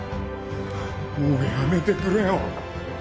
もうやめてくれよ。